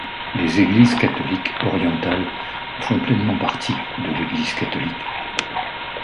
Les Églises catholiques orientales font pleinement partie de l'Église catholique.